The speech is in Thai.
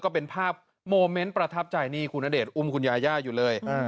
ก็เป็นภาพโมเมนต์ประทับใจนี่คุณณเดชนอุ้มคุณยาย่าอยู่เลย